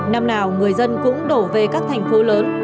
năm nào người dân cũng đổ về các thành phố lớn